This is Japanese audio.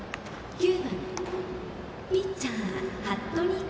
９番ピッチャー、服部君。